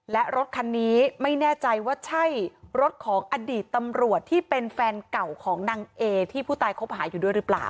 และรถคันนี้ไม่แน่ใจว่าใช่รถของอดีตตำรวจที่เป็นแฟนเก่าของนางเอที่ผู้ตายคบหาอยู่ด้วยหรือเปล่า